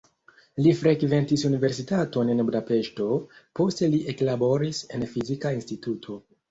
Li frekventis universitaton en Budapeŝto, poste li eklaboris en fizika instituto.